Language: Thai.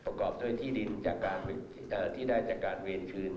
ประกอบด้วยใช้ที่ดินที่ได้จากการเวียนคืน